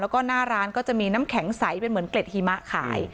แล้วก็หน้าร้านก็จะมีน้ำแข็งใสเป็นเหมือนเกล็ดหิมะขาย